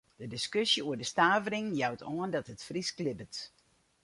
De diskusje oer de stavering jout oan dat it Frysk libbet.